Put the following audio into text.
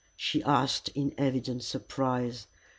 she asked, in evident surprise.